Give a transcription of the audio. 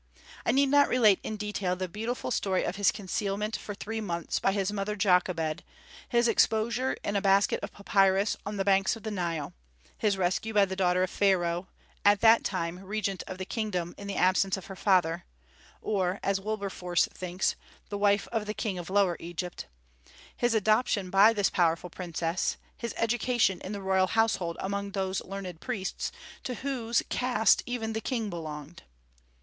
I need not relate in detail the beautiful story of his concealment for three months by his mother Jochebed, his exposure in a basket of papyrus on the banks of the Nile, his rescue by the daughter of Pharaoh, at that time regent of the kingdom in the absence of her father, or, as Wilberforce thinks, the wife of the king of Lower Egypt, his adoption by this powerful princess, his education in the royal household among those learned priests to whose caste even the King belonged.